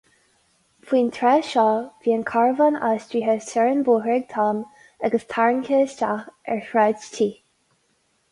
Faoin tráth seo, bhí an carbhán aistrithe soir an bóthar ag Tom agus tarraingthe isteach ar shráid tigh.